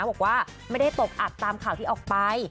บอกว่าไม่ได้ตกอัดตามข่าวที่ออกไป